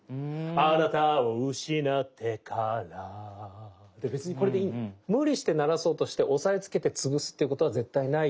あなたをうしなってからで別にこれでいいの。無理して鳴らそうとして押さえつけて潰すっていうことは絶対ないように。